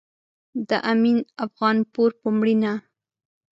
د امين افغانپور په مړينه